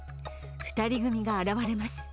２人組が現れます。